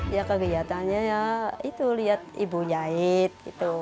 ya kegiatannya ya itu lihat ibu jahit gitu